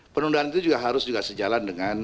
penundaan itu juga harus juga sejalan dengan